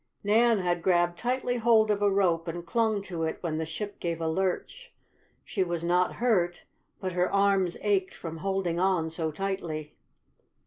Nan had grabbed tightly hold of a rope and clung to it when the ship gave a lurch. She was not hurt, but her arms ached from holding on so tightly.